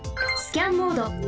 スキャンモード